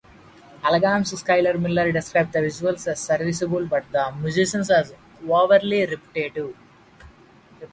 Allgame's Skyler Miller described the visuals as serviceable, but the music as overly repetitive.